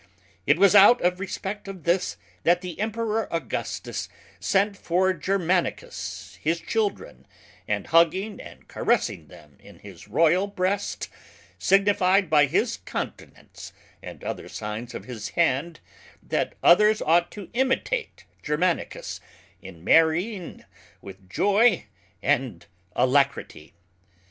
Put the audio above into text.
It was out of respect to this, that the Emperour Augustus sent for Germanicus his Children, and hugging and caressing them in his Royal breast, signified by his countenance, and other signes of his hand, that others ought to imitate Germanicus in marrying with joy and alacrity.